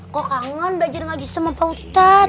kok kangen belajar ngaji sama pak mustaq